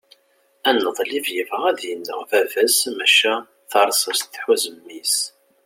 aneḍlib yebɣa ad ineɣ baba-s maca tarsast tḥuz mmi-s